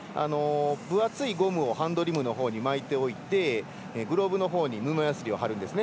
分厚いゴムをハンドリムのほうに巻いておいてグローブのほうに布やすりを貼るんですね。